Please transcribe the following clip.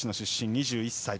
２１歳。